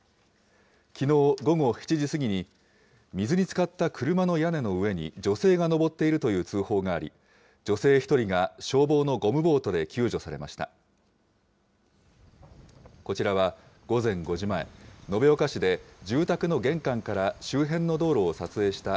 きのう午後７時過ぎに水につかった車の屋根の上に女性が登っているという通報があり、女性１人が消防のゴムボートで救助されました。